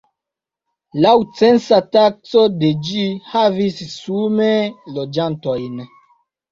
Laŭ censa takso de ĝi havis sume loĝantojn.